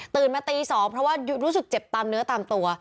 มาตี๒เพราะว่ารู้สึกเจ็บตามเนื้อตามตัว